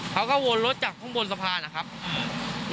เขาก็วนรถจากข้างบนสะพานนะครับ